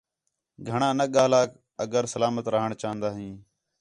گھݨاں نہ ڳاہلا اگر سلامت رہݨ چاہن٘دا ہیں